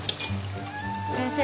先生